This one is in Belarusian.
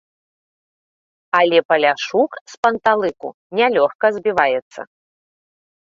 Але паляшук з панталыку не лёгка збіваецца.